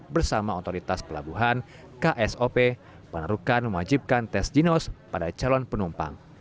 bersama otoritas pelabuhan ksop penerukan mewajibkan tes ginos pada calon penumpang